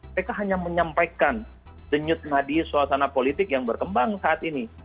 mereka hanya menyampaikan denyut nadi suasana politik yang berkembang saat ini